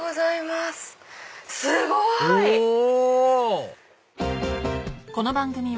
すごい！お！